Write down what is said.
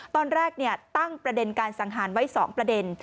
ตอนแรกตั้งประเด็นการสังหารไว้๒ประเด็น